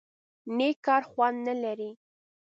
_نېک کار خوند نه لري؟